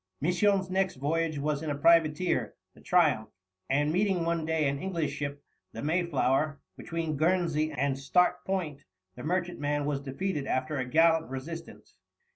Misson's next voyage was in a privateer, the Triumph, and, meeting one day an English ship, the Mayflower, between Guernsey and Start Point, the merchantman was defeated after a gallant resistance.